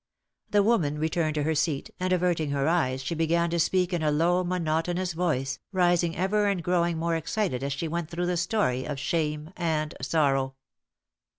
The woman returned to her seat, and averting her eyes she began to speak in a low, monotonous voice, rising ever and growing more excited as she went through the story of shame and sorrow.